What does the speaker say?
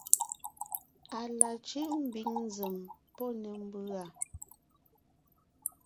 À la cʉ́ʼ ḿbiŋ nzèm pɔ́ ne ḿbʉ̀a.